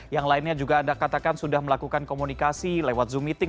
yang lainnya juga anda katakan sudah melakukan komunikasi lewat zoom meeting